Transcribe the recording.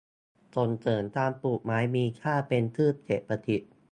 ส่งเสริมการปลูกไม้มีค่าเป็นพืชเศรษฐกิจ